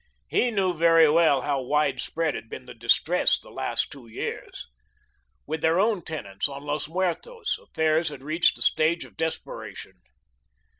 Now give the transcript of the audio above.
He knew very well how widespread had been the distress the last two years. With their own tenants on Los Muertos, affairs had reached the stage of desperation.